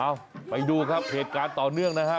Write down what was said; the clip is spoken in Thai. เอาไปดูครับเหตุการณ์ต่อเนื่องนะครับ